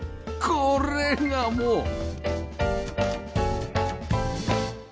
これがもう